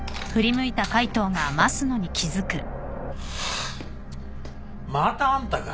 ハァまたあんたか。